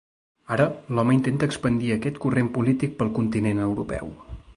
Ara l’home intenta expandir aquest corrent polític pel continent europeu.